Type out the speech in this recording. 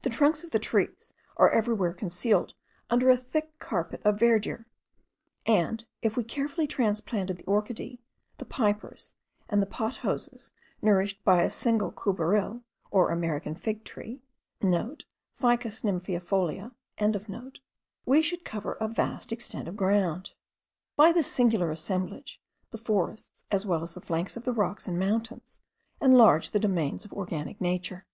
The trunks of the trees are everywhere concealed under a thick carpet of verdure; and if we carefully transplanted the orchideae, the pipers, and the pothoses, nourished by a single courbaril, or American fig tree,* (* Ficus nymphaeifolia.) we should cover a vast extent of ground. By this singular assemblage, the forests, as well as the flanks of the rocks and mountains, enlarge the domains of organic nature.